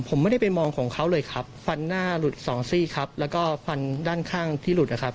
ผมไม่ได้ไปมองของเขาเลยครับฟันหน้าหลุดสองซี่ครับแล้วก็ฟันด้านข้างที่หลุดนะครับ